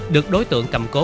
được đối tượng cầm cố